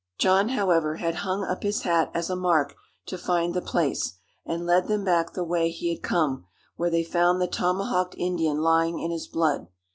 John, however, had hung up his hat as a mark to find the place, and led them back the way he had come, where they found the tomahawked Indian lying in his blood.